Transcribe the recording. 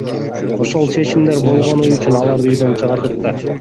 Ошол чечимдер болгону үчүн аларды үйдөн чыгардык да.